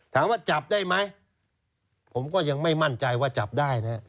ถามว่าจับได้ไหมผมก็ยังไม่มั่นใจว่าจับได้นะ